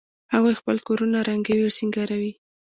هغوی خپل کورونه رنګوي او سینګاروي